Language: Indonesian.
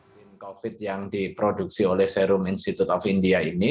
vaksin covid yang diproduksi oleh serum institute of india ini